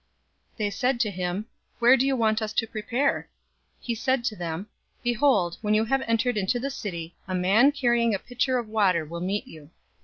022:009 They said to him, "Where do you want us to prepare?" 022:010 He said to them, "Behold, when you have entered into the city, a man carrying a pitcher of water will meet you.